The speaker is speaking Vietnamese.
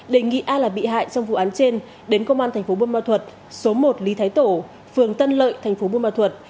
đề nghị ai là bị hại trong vụ án trên đến công an thành phố buôn ma thuật số một lý thái tổ phường tân lợi thành phố buôn ma thuật